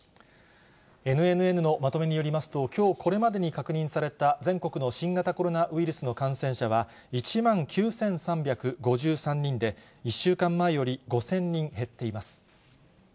ＮＮＮのまとめによりますと、きょうこれまでに確認された全国の新型コロナウイルスの感染者は、１万９３５３人で、１週間前より５０００人減っています。